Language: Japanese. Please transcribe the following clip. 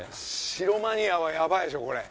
城マニアはやばいでしょこれ。